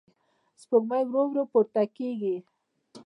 سپوږمۍ ورو ورو پورته کېږي.